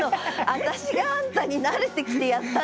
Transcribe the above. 私があんたに慣れてきてやったんだから。